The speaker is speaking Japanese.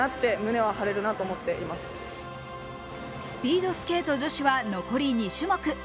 スピードスケート女子は残り２種目。